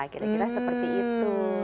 kira kira seperti itu